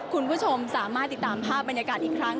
คุณผู้ชมสามารถติดตามภาพบรรยากาศอีกครั้ง